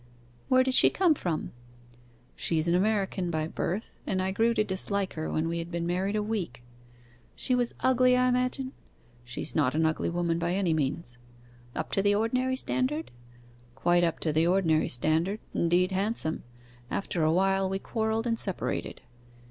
'Where did she come from?' 'She is an American by birth, and I grew to dislike her when we had been married a week.' 'She was ugly, I imagine?' 'She is not an ugly woman by any means.' 'Up to the ordinary standard?' 'Quite up to the ordinary standard indeed, handsome. After a while we quarrelled and separated.